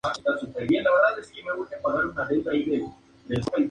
Si una persona fue asesinada a los familiares se le dará Rp.